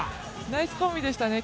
ナイスコンビでしたね。